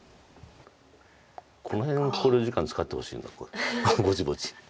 この辺考慮時間使ってほしいなぼちぼち。